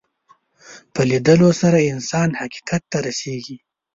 په لیدلو سره انسان حقیقت ته رسېږي